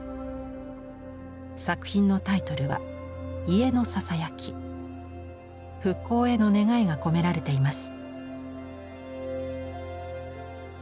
作品のタイトルは復興への願いが込められています。